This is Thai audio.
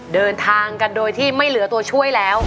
เดินทางกันโดยที่ไม่เหลือตัวช่วยแล้ว